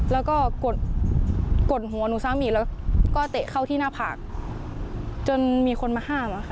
แล้วก็กดหัวหนูสามีแล้วก็เตะเข้าที่หน้าผากจนมีคนมาห้ามอะค่ะ